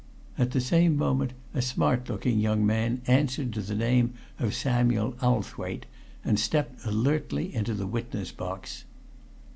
At the same moment a smart looking young man answered to the name of Samuel Owthwaite and stepped alertly into the witness box.